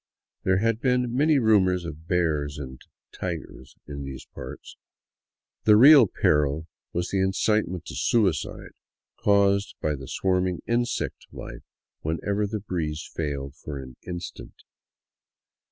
There had been many rumors of bears and " tigers " in these parts. The real peril was the incitement to suicide caused by the swarming insect life whenever the breeze failed for an instant.